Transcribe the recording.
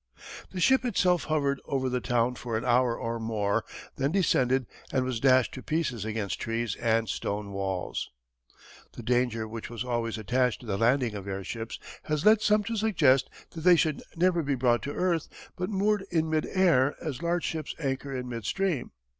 The ship itself hovered over the town for an hour or more, then descended and was dashed to pieces against trees and stone walls. The danger which was always attached to the landing of airships has led some to suggest that they should never be brought to earth, but moored in mid air as large ships anchor in midstream.